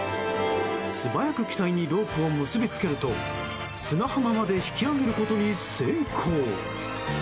素早く機体にロープを結びつけると砂浜まで引き上げることに成功。